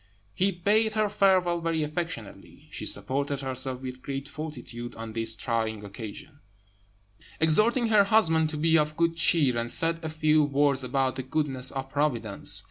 He bade her farewell very affectionately; she supported herself with great fortitude on this trying occasion, exhorting her husband to be of good cheer, and said a few words about the goodness of Providence.